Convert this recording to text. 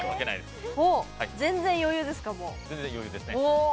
全然余裕ですね。